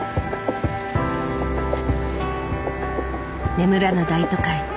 眠らぬ大都会。